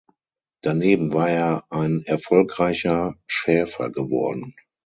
Daneben war er ein erfolgreicher Schäfer geworden.